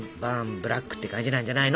ブラックって感じなんじゃないの。